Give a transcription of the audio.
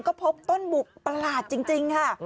ก็พบต้นบุกประหลาดจริงค่ะ